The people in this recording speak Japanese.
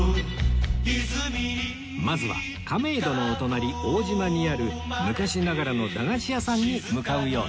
まずは亀戸のお隣大島にある昔ながらの駄菓子屋さんに向かうようです